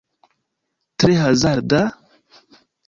Tre hazarda?